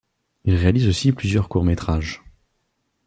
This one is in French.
Il réalise aussi plusieurs courts métrages.